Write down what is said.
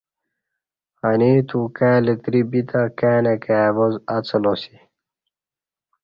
انی اتو کائی لتری بیتہ کائ نئ کائ اواز اڅلاسی